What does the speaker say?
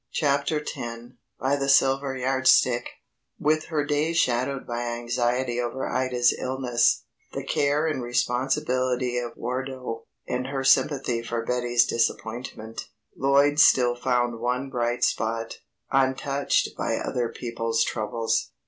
CHAPTER X BY THE SILVER YARD STICK WITH her days shadowed by anxiety over Ida's illness, the care and responsibility of Wardo and her sympathy for Betty's disappointment, Lloyd still found one bright spot, untouched by other people's troubles.